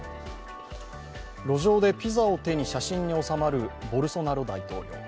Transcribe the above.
路上でピザを手に写真に収まるボルソナロ大統領。